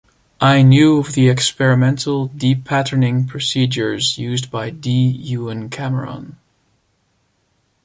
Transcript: I knew of the experimental depatterning procedures used by D. Ewen Cameron.